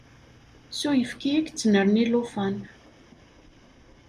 S uyefki i yettnerni llufan.